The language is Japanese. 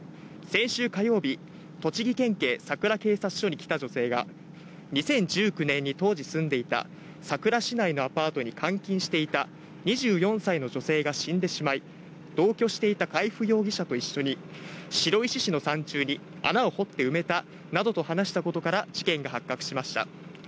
先週火曜日、栃木県警さくら警察署に来た女性が、２０１９年に当時住んでいた、さくら市内のアパートに監禁していた２４歳の女性が死んでしまい、同居していた海部容疑者と一緒に、白石市の山中に穴を掘って埋めたなどと話したことから、事件が発覚しました。